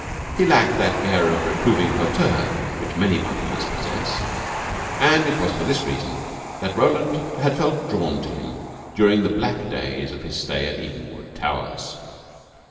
He lacked that air of reproving hauteur which many butlers possess, and it was for this reason that Roland had felt drawn to him during the black days of his stay at Evenwood Towers.